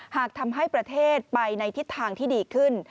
หากทำให้ประเทศไปในทิศทางที่ดีขึ้น